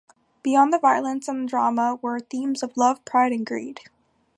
Beyond the violence and drama were themes of love, pride, and greed.